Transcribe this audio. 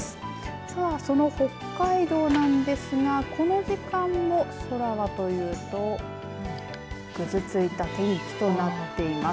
さあ、その北海道なんですがこの時間の空はというとぐずついた天気となっています。